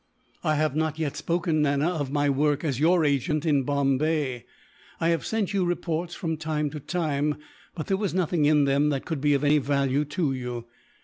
"I have not yet spoken, Nana, of my work as your agent in Bombay. I have sent you reports, from time to time; but there was nothing in them that could be of any value to you.